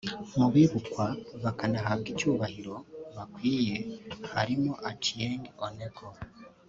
Mu bibukwa bakanahabwa icyubahiro bakwiye harimo Achieng’ Oneko